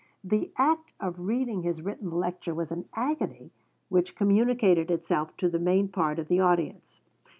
The act of reading his written lecture was an agony which communicated itself to the main part of the audience.